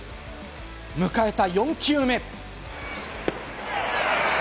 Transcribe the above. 迎えた４球目。